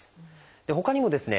ほかにもですね